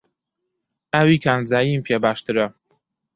ئاوی کانزاییم پێ باشترە.